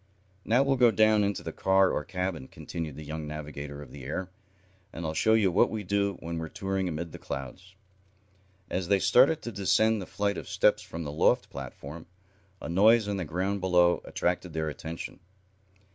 "Now we'll go down into the car or cabin," continued the young navigator of the air, "and I'll show you what we do when we're touring amid the clouds." As they started to descend the flight of steps from the loft platform, a noise on the ground below attracted their attention.